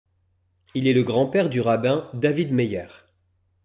Il est le grand-père du rabbin David Meyer.